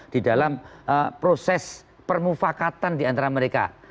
di dalam proses permufakatan di antara mereka